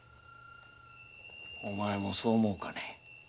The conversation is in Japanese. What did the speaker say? お前もそう思うかね？